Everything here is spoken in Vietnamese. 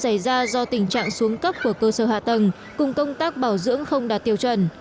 cây cầu này xảy ra do tình trạng xuống cấp của cơ sở hạ tầng cùng công tác bảo dưỡng không đạt tiêu chuẩn